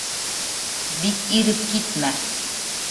Бик иреп китмә!